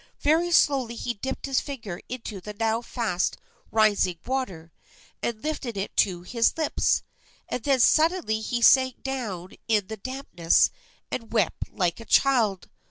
Very slowly he dipped his finger into the now fast rising water and lifted it to his lips. And then suddenly he sank down in the dampness and wept like a child.